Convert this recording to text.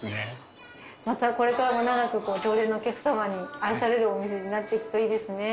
またこれからも長く常連のお客様に愛されるお店になっていくといいですね。